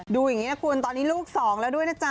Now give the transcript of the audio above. ดูอย่างนี้นะคุณตอนนี้ลูกสองแล้วด้วยนะจ๊